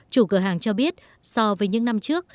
chủ cửa hàng cho biết so với những năm trước